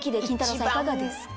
さんいかがですか？